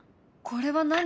これは何？